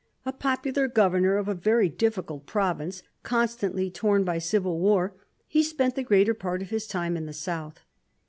A popular governor of a very difficult province constantly torn by civil war, he spent the greater part of his time in the south.